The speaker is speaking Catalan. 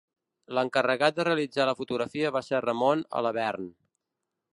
L'encarregat de realitzar la fotografia va ser Ramon Alabern.